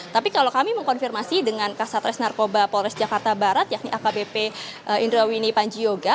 tapi kalau kami mengkonfirmasi dengan kasatres narkoba polres jakarta barat yakni akbp indrawini panjioga